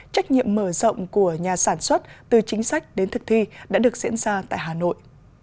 trách nhiệm mở rộng của nhà sản xuất từ chính sách đến thực thi đã được diễn ra tại hà nội